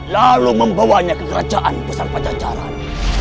lalu membawanya ke kerajaan besar pajajaran